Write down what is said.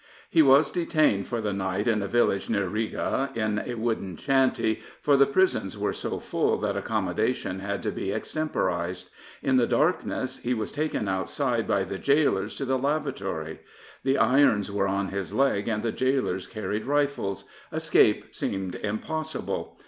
He was detained for the night in a village near Riga, in a wooden shanty, for the prisons were so full that accommodation had to be extemporised. In the darkness he was taken outside by the gaolers to the lavatory. The irons were on his leg and the gaolers ' carried rifles. Escape seemed impossible.